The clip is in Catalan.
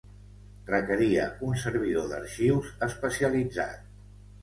Requeria un servidor d'arxius especialitzat.